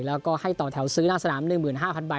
แล้วก็ให้ต่อแถวซื้อหน้าสนาม๑๕๐๐ใบ